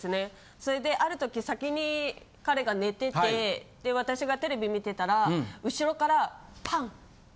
それである時先に彼が寝てて私がテレビ見てたら。